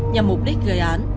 nhằm mục đích gây án